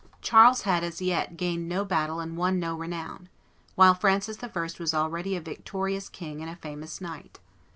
Charles had as yet gained no battle and won no renown; while Francis I. was already a victorious king and a famous knight.